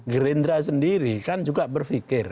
gerindra sendiri kan juga berpikir